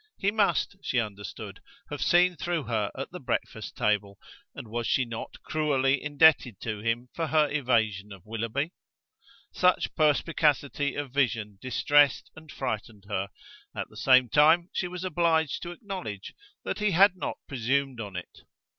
He must, she understood, have seen through her at the breakfast table: and was she not cruelly indebted to him for her evasion of Willoughby? Such perspicacity of vision distressed and frightened her; at the same time she was obliged to acknowledge that he had not presumed on it.